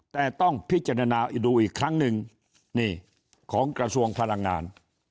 แต่ต้องพิจารณาดูอีกครั้งหนึ่งนี่ของกระทรวงพลังงาน